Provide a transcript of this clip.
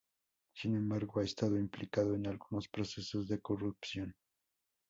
Sin embargo ha estado implicado en algunos procesos de corrupción.